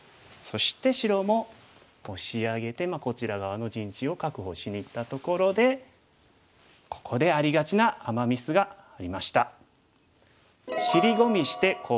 そして白もオシ上げてこちら側の陣地を確保しにいったところでここでありがちなアマ・ミスがありました。